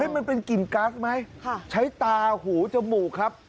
มันเป็นกลิ่นก๊าซไหมใช้ตาหูจมูกครับ